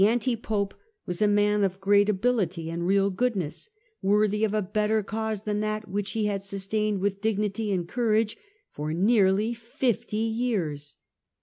1100 anti pope was a man of great ability and real goodness, worthy of a better cause than that which he had sustained with dignity and courage for nearly fifty years.